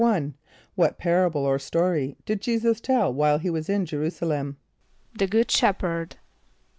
= What parable or story did J[=e]´[s+]us tell while he was in J[+e] r[u:]´s[+a] l[)e]m? ="The Good Shepherd."